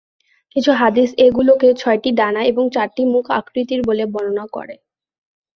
কিছু হাদীস এগুলোকে ছয়টি ডানা এবং চারটি মুখ আকৃতির বলে বর্ণনা করে।